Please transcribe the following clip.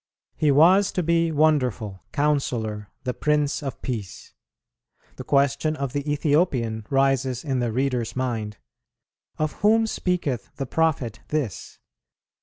He was to be Wonderful, Counsellor, the Prince of Peace. The question of the Ethiopian rises in the reader's mind, "Of whom speaketh the Prophet this?"